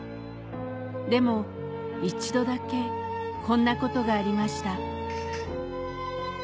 でも一度だけこんなことがありました